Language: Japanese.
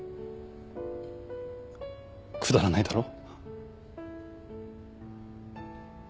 くだらないだろ？